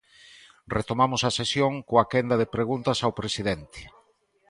Retomamos a sesión coa quenda de preguntas ao presidente.